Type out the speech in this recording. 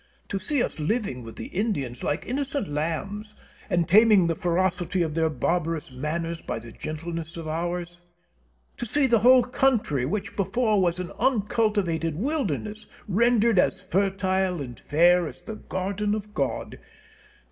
To see us living with the Indians like innocent lambs, and taming the ferocity of their barbarous manners by the gentleness of ours! To see the whole country, which before was an uncultivated wilderness, rendered as fertile and fair as the garden of God!